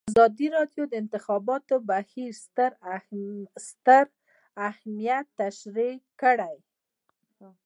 ازادي راډیو د د انتخاباتو بهیر ستر اهميت تشریح کړی.